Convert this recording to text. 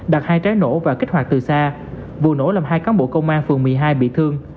đặt hai trái nổ và kích hoạt từ xa vụ nổ làm hai cán bộ công an phường một mươi hai bị thương